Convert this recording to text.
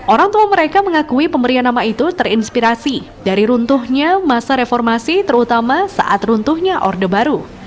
orang tua mereka mengakui pemberian nama itu terinspirasi dari runtuhnya masa reformasi terutama saat runtuhnya orde baru